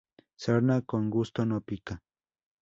Sarna con gusto, no pica